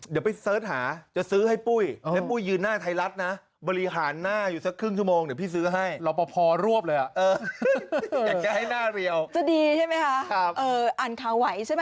เดี๋ยวไปเสิร์ชหาจะซื้อให้ปุ้ยแล้วปุ้ยยืนหน้าไทยรัทนะ